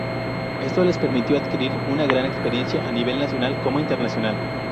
Esto les permitió adquirir una gran experiencia a nivel nacional como internacional.